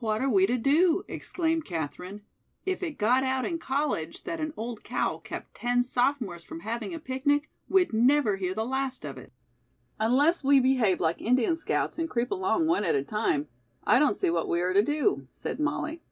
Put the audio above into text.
"What are we to do?" exclaimed Katherine. "If it got out in college that an old cow kept ten sophomores from having a picnic, we'd never hear the last of it." "Unless we behave like Indian scouts and creep along one at a time, I don't see what we are to do," said Molly.